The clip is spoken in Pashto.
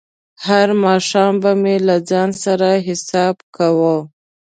هر ماښام به مې له ځان سره حساب کاوه.